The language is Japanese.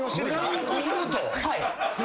はい。